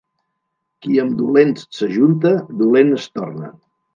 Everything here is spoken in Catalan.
Qui amb dolents s'ajunta, dolent es torna.